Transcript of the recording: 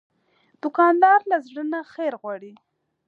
دوکاندار له زړه نه خیر غواړي.